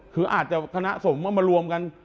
ถ้าคณะสมมารวมกัน